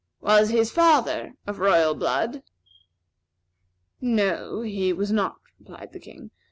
"Was his father of royal blood?" "No; he was not," replied the King.